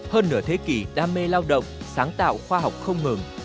hơn nửa thế kỷ đam mê lao động sáng tạo khoa học không ngừng